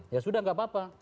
ya sudah nggak apa apa